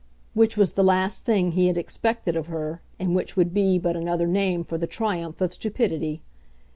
which was the last thing he had expected of her and which would be but another name for the triumph of stupidity.